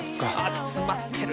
詰まってる！